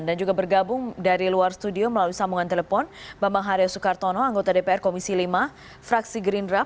dan juga bergabung dari luar studio melalui sambungan telepon bambang haria soekartono anggota dpr komisi lima fraksi green drop